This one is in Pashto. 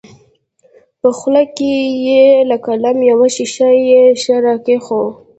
په خوله کښې يې لکه قلم يو ښيښه يي شى راکښېښوو.